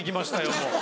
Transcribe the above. もう。